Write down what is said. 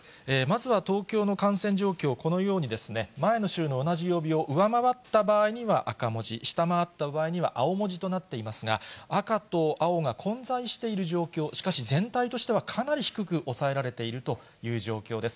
まずは東京の感染状況、このように前の週の同じ曜日を上回った場合には赤文字、下回った場合には青文字となっていますが、赤と青が混在している状況、しかし、全体としてはかなり低く抑えられているという状況です。